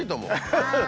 ハハハ！